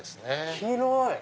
広い！